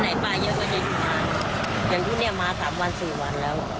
ไหนปลาเยอะก็ได้อยู่มาอย่างทุ่งเนี่ยมาสามวันสี่วันแล้ว